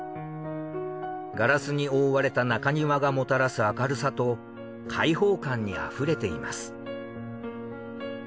ガラスに覆われた中庭がもたらす明るさと開放感にあふれています。